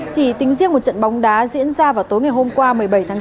chỉ tính riêng một trận bóng đá diễn ra vào tối ngày hôm qua một mươi bảy tháng sáu